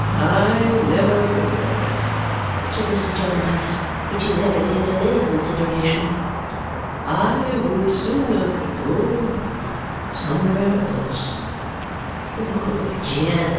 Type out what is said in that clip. "I never go there," said Mr. Jarndyce (which he never did on any consideration). "I would sooner go somewhere else."